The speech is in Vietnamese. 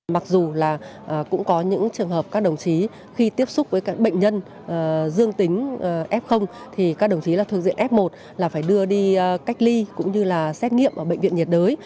mặc dù là cũng có những trường hợp các đồng chí khi tiếp xúc với các bệnh nhân dương tính f thì các đồng chí là thuộc diện f một là phải đưa đi cách ly cũng như là xét nghiệm ở bệnh viện nhiệt đới